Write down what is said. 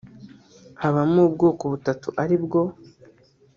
habamo ubwoko butatu ari bwo